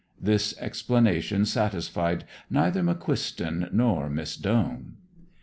This explanation satisfied neither McQuiston nor Miss Doane.